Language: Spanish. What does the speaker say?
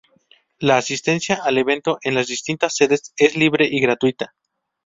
La asistencia al evento en las distintas sedes es libre y gratuita.